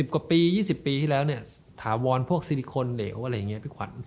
๑๐กว่าปี๒๐ปีที่แล้วถาวรพวกซิลิคคลเหลวพี่ขวัญ